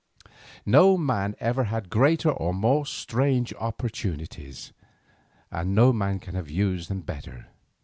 No man ever had greater or more strange opportunities, and no man can have used them better.